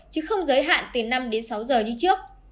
chứ không giới hạn từ năm đến sáu giờ như trước